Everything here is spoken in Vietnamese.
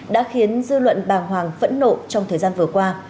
đã khiến dư luận bàng hoàng phẫn nộ trong thời gian vừa qua